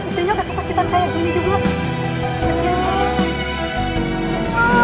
istrinya udah kesakitan kayak gini juga